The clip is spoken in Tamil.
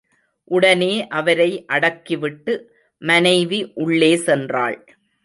உடனே அவரை அடக்கிவிட்டு மனைவி உள்ளே சென்றாள்.